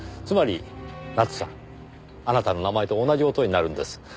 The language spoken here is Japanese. つまり奈津さんあなたの名前と同じ音になるんです。